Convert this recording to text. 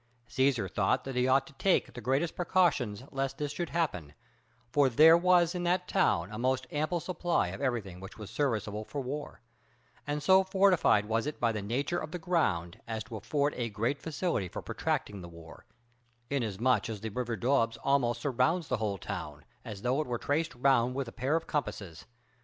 Cæsar thought that he ought to take the greatest precautions lest this should happen, for there was in that town a most ample supply of everything which was serviceable for war; and so fortified was it by the nature of the ground as to afford a great facility for protracting the war, inasmuch as the river Doubs almost surrounds the whole town, as though it were traced round with a pair of compasses.